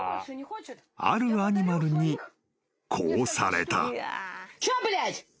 ［あるアニマルにこうされた］